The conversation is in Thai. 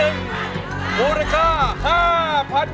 เพลงที่๑มูลค่า๕๐๐๐บาทนะครับ